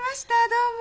どうも。